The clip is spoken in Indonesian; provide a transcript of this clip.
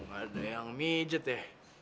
nggak ada yang mijet ya